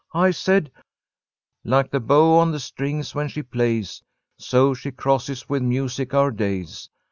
I said: "Like the bow on the strings when she plays, So she crosses with music our days.